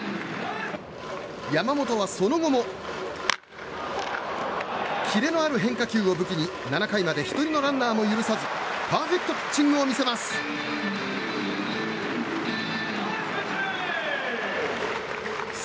山本はその後もキレのある変化球を武器に７回まで１人のランナーも許さずパーフェクトピッチングを見せます。